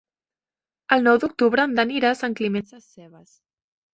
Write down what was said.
El nou d'octubre en Dan irà a Sant Climent Sescebes.